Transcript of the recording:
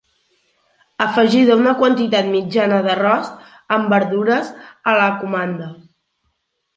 Afegida una quantitat mitjana d'arròs amb verdures a la comanda.